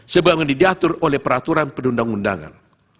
sebagian yang didiatur oleh peraturan penduduk undangan